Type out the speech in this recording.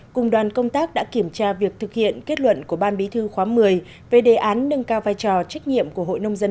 cùng đoàn công tác đã kiểm tra việc thực hiện kết luận của ban bí thư khóa một mươi về đề án nâng cao vai trò trách nhiệm của hội nông dân